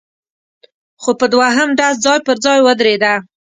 خو په دوهم ډز ځای پر ځای ودرېده،